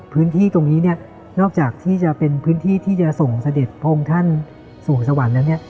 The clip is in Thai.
พื้นที่ตรงนี้เนี่ยนอกจากที่จะเป็นพื้นที่ที่จะส่งเสด็จพระองค์ท่านสู่สวรรค์แล้วเนี่ย